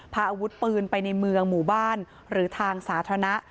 พาอาวุธปืนไปในเมืองหมู่บ้านหรือทางสาธารณะ